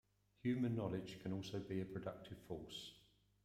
Human knowledge can also be a productive force.